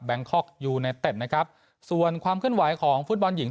คอกยูเนเต็ดนะครับส่วนความเคลื่อนไหวของฟุตบอลหญิง